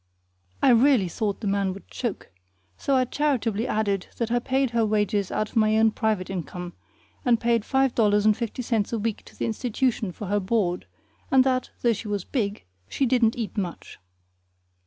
I really thought the man would choke, so I charitably added that I paid her wages out of my own private income, and paid five dollars and fifty cents a week to the institution for her board; and that, though she was big, she didn't eat much.